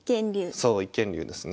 そう一間竜ですね。